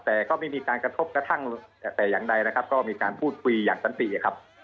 แต่ก็ไม่มีการกระทบกระทั่งแต่อย่างใดนะครับก็มีการพูดคุยอย่างสันติครับ